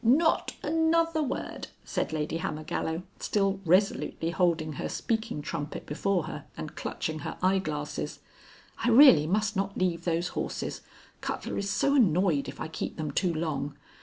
"Not another word!" said Lady Hammergallow, still resolutely holding her speaking trumpet before her and clutching her eyeglasses. "I really must not leave those horses. Cutler is so annoyed if I keep them too long.